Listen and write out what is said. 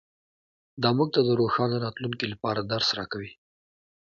دا موږ ته د روښانه راتلونکي لپاره درس راکوي